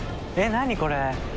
何これ？